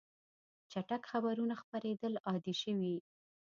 چټک خبرونه خپرېدل عادي شوي.